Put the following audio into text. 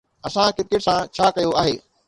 اسان ڪرڪيٽ سان ڇا ڪيو آهي؟